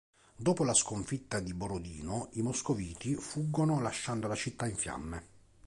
Dopo la sconfitta di Borodino, i moscoviti fuggono lasciando la città in fiamme.